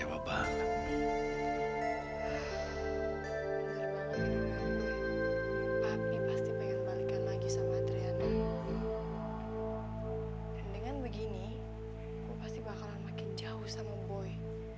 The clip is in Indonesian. aku pasti bakalan makin jauh sama boy